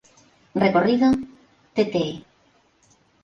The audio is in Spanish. Recorrido: Tte.